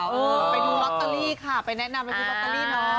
ไปดูโรตเตอรี่ค่ะไปแนะนำในโรตเตอรี่เนาะ